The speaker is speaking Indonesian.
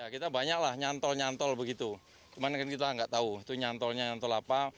kita banyaklah nyantol nyantol begitu kemarin kan kita nggak tahu itu nyantolnya nyantol apa